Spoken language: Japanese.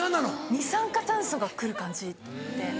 二酸化炭素が来る感じって。